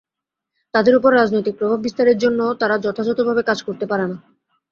তাদের ওপর রাজনৈতিক প্রভাব বিস্তারের জন্যও তারা যথাযথভাবে কাজ করতে পারে না।